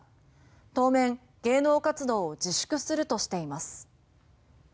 当面、芸能活動を自粛するとしています。